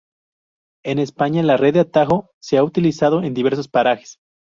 En España, la red de atajo se ha utilizado en diversos parajes.